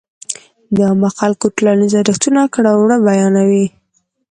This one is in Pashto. د عامو خلکو ټولنيز ارزښتونه ،کړه وړه بيان وي.